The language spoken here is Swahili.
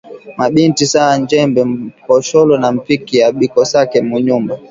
Ma bintu saa njembe, mposholo, na mpiki abikosake mu nyumba